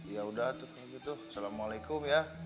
ya udah tuh gitu assalamualaikum ya